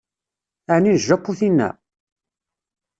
Ɛni n Japu tina?